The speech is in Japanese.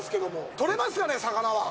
取れますかね、魚は。